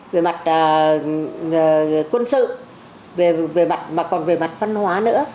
về mặt quân sự mà còn về mặt văn hóa nữa